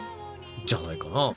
じゃないかな。